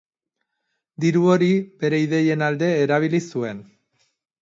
Diru hori bere ideien alde erabili zuen.